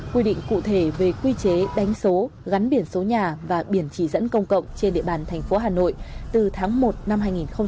quy định cụ thể về quy chế đánh số gắn biển số nhà và biển chỉ dẫn công cộng trên địa bàn thành phố hà nội từ tháng một năm hai nghìn một mươi chín